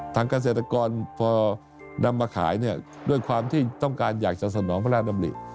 เกษตรกรพอนำมาขายเนี่ยด้วยความที่ต้องการอยากจะสนองพระราชดำริ